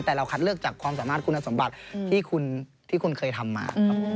แต่เราคัดเลือกจากความสามารถคุณสมบัติที่คุณเคยทำมาครับ